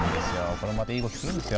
これまたいい動き、するんですよ。